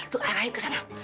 lu air air kesana